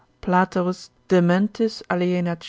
Platerus de mentis alienat.